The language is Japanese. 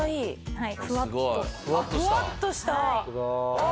はい。